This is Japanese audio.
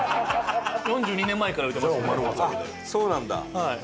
あっそうなんだ。